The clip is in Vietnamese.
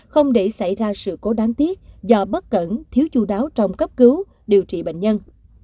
không để xảy ra sự cố đáng tiếc do bất cẩn thiếu chú đáo trong cấp cứu điều trị bệnh nhân